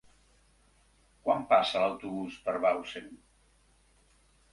Quan passa l'autobús per Bausen?